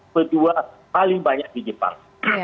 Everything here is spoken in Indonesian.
kedua paling banyak di jepang